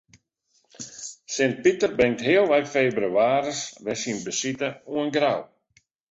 Sint Piter bringt healwei febrewaris wer syn besite oan Grou.